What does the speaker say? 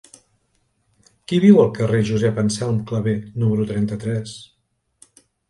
Qui viu al carrer de Josep Anselm Clavé número trenta-tres?